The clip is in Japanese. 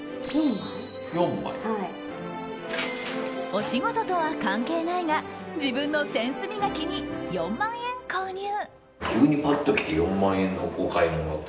お仕事とは関係ないが自分のセンス磨きに４万円購入。